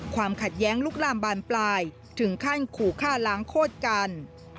ความขัดแย้งลุกลามบานปลายถึงขั้นขู่ฆ่าล้างโคตรกัน